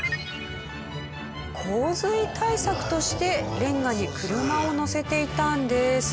洪水対策としてレンガに車を載せていたんです。